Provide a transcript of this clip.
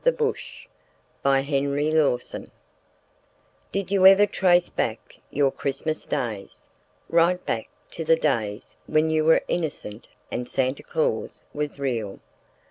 THE GHOSTS OF MANY CHRISTMASES Did you ever trace back your Christmas days?—right back to the days when you were innocent and Santa Claus was real.